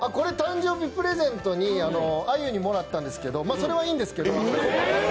誕生日プレゼントにあゆもらったんですけど、それはいいんですけど。